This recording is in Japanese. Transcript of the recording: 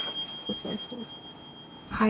はい。